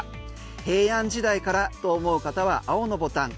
平安時代からと思う方は青のボタン。